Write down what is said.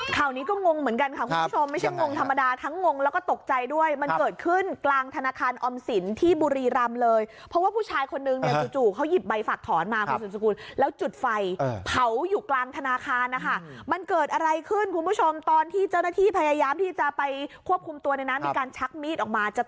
ข่าวนี้ก็งงเหมือนกันค่ะคุณผู้ชมไม่ใช่งงธรรมดาทั้งงงแล้วก็ตกใจด้วยมันเกิดขึ้นกลางธนาคารออมสินที่บุรีรำเลยเพราะว่าผู้ชายคนนึงเนี่ยจู่จู่เขาหยิบใบฝักถอนมาคุณสุดสกุลแล้วจุดไฟเผาอยู่กลางธนาคารนะคะมันเกิดอะไรขึ้นคุณผู้ชมตอนที่เจ้าหน้าที่พยายามที่จะไปควบคุมตัวเนี่ยนะมีการชักมีดออกมาจะ